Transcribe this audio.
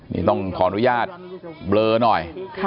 นี่ต้องขออนุญาตเบลอหน่อย